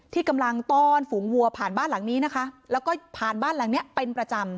ที่กำลังต้อนฝูงวัวผ่านบ้านหลังนี้นะคะแล้วก็ผ่านบ้านหลังเนี้ยเป็นประจำ